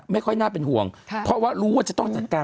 ไม่ค่อยน่าเป็นห่วงเพราะว่ารู้ว่าจะต้องจัดการ